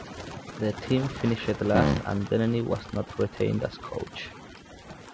The team finished last and Denneny was not retained as coach.